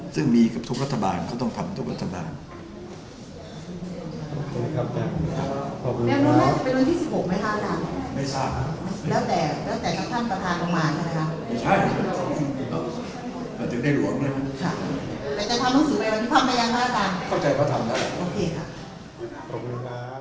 ซึ่งมีกับทุกรัฐบาลเขาต้องทำทุกรัฐบาล